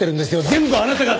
全部あなたが。